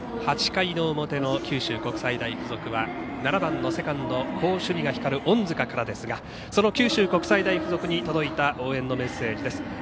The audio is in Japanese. ８回の表の九州国際大付属７番のセカンド、好守備が光る隠塚からですがその九州国際大付属に届いた応援のメッセージです。